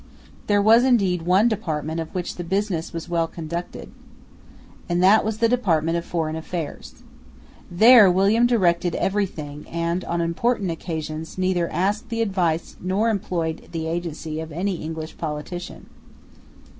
There was indeed one department of which the business was well conducted; and that was the department of Foreign Affairs. There William directed every thing, and, on important occasions, neither asked the advice nor employed the agency of any English politician.